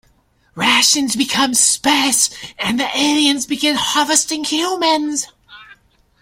Rations become sparse and the aliens begin harvesting humans.